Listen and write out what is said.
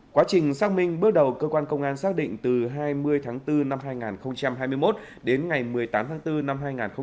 quá trình xác minh bước đầu cơ quan công an xác định từ hai mươi tháng bốn năm hai nghìn hai mươi một đến ngày một mươi tám tháng bốn năm hai nghìn hai mươi ba